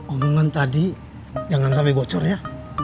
omongan tadi jangan sampe gocor ya